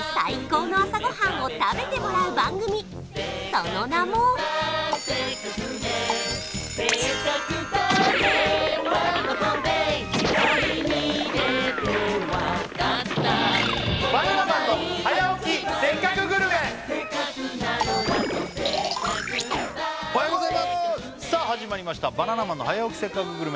その名もおはようございますおはようございますさあ始まりました「バナナマンの早起きせっかくグルメ！！」